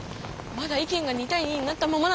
まだ意見が２対２になったままなんだよ。